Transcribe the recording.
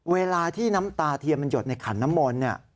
เวลาที่น้ำตาเทียนมันหยดในขันน้ำมนต์เนี่ย